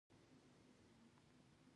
د ښاروالۍ ټاکنې یې وګټلې.